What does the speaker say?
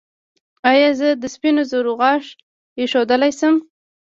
ایا زه د سپینو زرو غاښ ایښودلی شم؟